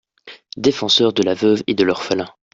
Défenseur de la veuve et de l’orphelin.